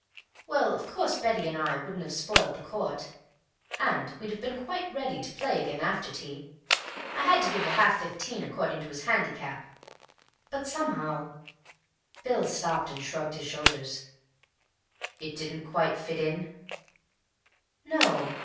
Well, of course Betty and I wouldn't have spoilt the court, and we'd have been quite ready to play again after tea—I had to give her half fifteen according to his handicap—but somehow—" Bill stopped and shrugged his shoulders. "It didn't quite fit in?" "No.